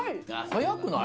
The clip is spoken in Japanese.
早くない？